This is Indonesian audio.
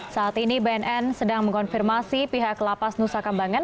saat ini bnn sedang mengonfirmasi pihak lapas nusa kambangan